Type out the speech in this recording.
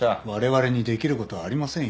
私にできることはありません。